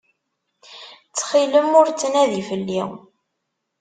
Ttxilem ur ttnadi fell-i.